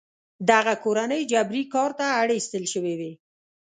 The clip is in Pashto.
دغه کورنۍ جبري کار ته اړ ایستل شوې وې.